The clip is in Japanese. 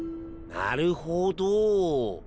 なるほど。